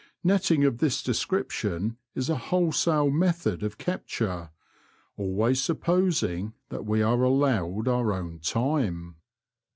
Netting of this description is a wholesale method of capture, always supposing that we are allowed our own time.